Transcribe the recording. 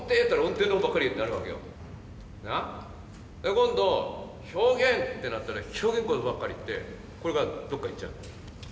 今度表現ってなったら表現のことばっかりいってこれがどっかいっちゃうの。